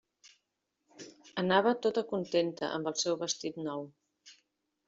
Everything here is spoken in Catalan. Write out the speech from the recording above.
Anava tota contenta amb el seu vestit nou.